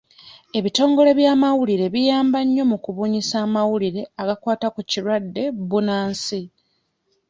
Ebitongole by'amawulire biyamba nnyo mu kubunyisa amawulire agakwata ku kirwadde bbunansi.